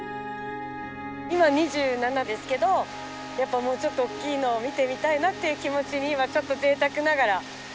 今２７ですけどやっぱもうちょっとおっきいのを見てみたいなっていう気持ちに今ちょっと贅沢ながらなってます。